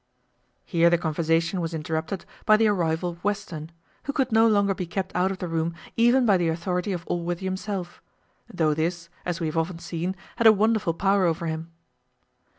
Here the conversation was interrupted by the arrival of Western, who could no longer be kept out of the room even by the authority of Allworthy himself; though this, as we have often seen, had a wonderful power over him.